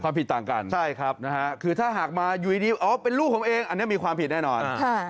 ความผิดต่างกันคือถ้าหากมาอยู่ดีเป็นลูกผมเองอันนี้มีความผิดแน่นอน